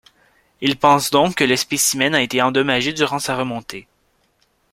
Il pense donc que le spécimen a été endommagé durant sa remontée.